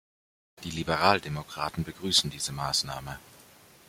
Die Liberaldemokraten begrüßen diese Maßnahme.